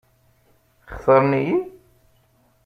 Xtaṛen-iyi?